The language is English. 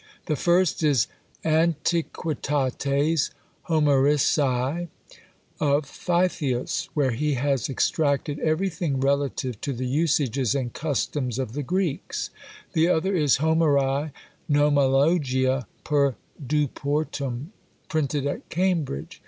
The first is Antiquitates Homericæ of Feithius, where he has extracted everything relative to the usages and customs of the Greeks; the other is, Homeri Gnomologia per Duportum, printed at Cambridge.